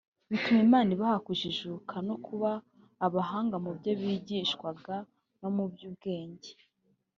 bituma Imana ibaha kujijuka no kuba abahanga mubyo bigishwaga no mu by’ubwenge